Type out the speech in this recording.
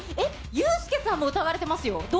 ユースケさんも疑われてますよ。